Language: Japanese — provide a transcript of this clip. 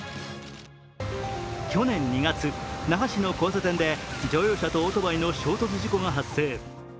去年２月、那覇市の交差点で乗用車とオートバイの衝突事故が発生。